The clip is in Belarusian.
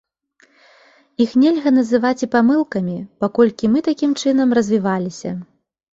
Іх нельга называць і памылкамі, паколькі мы такім чынам развіваліся.